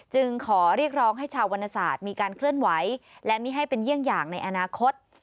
จึงขอเรียกร้องให้ชาววรรณศาสตร์มีการเคลื่อนไหวและไม่ให้เป็นเยี่ยงอย่างในอนาคต